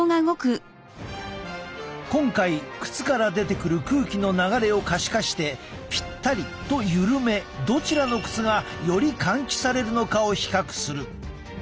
今回靴から出てくる空気の流れを可視化してぴったりとゆるめどちらの靴がより換気されるのかを比較する。